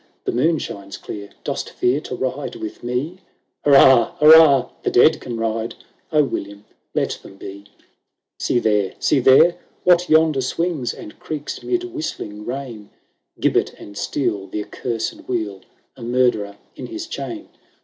— The moon shines clear ;— Dost fear to ride with me ?— Hurrah ! hurrah ! The dead can ride !" "O William, let them be ! L "See there, see there ! What yonder swings And creaks 'mid whistling rain ?"" Gibbet and steel, the accursed wheel ; A murderer in his chain.